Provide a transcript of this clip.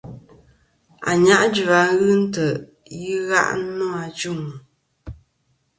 Ànyajua ghɨ ntè' i gha' nô ajuŋ.